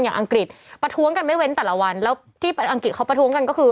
อังกฤษประท้วงกันไม่เว้นแต่ละวันแล้วที่อังกฤษเขาประท้วงกันก็คือ